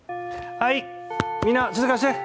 はい、みんな静かにして！